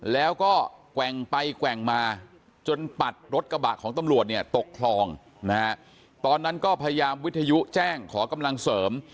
แล้วก็แกว่งไปแกว่งมาจนปัดรถกระบะของตำรวจเนี่ยตกคลองนะฮะตอนนั้นก็พยายามวิทยุแจ้งขอกำลังเสริม